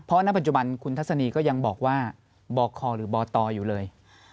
เพราะณปัจจุบันคุณทัศนีก็ยังบอกว่าบคหรือบตอยู่เลย